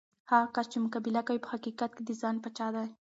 هغه کس چې مقابله کوي، په حقیقت کې د ځان پاچا دی.